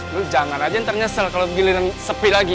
lu jangan aja ternyesel kalau giliran sepi lagi